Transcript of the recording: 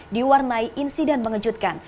diwarnai insiden mengejutkan